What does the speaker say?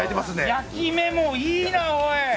焼き目もいいな、おい！